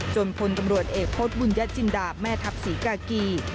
จนคนตำรวจเอกพจน์บุญญิชจินดาบแม่ทับสรีกะกรี